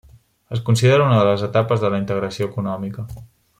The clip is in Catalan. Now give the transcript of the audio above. Es considera una de les etapes de la integració econòmica.